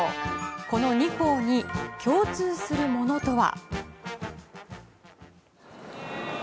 この２校に共通するものとは。